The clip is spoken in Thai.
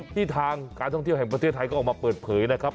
ที่ทางการท่องเที่ยวแห่งประเทศไทยก็ออกมาเปิดเผยนะครับ